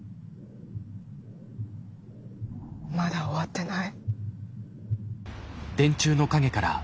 まだ終わってない。